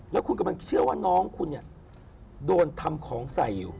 แล้วคุณกำลังเชื่อว่าน้องคุณเนี่ยโดนทำของใส่อยู่